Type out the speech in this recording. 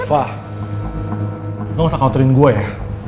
fah lo gak usah counterin gue ya